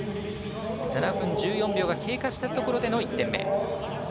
７分１４秒が経過したところでの１点目。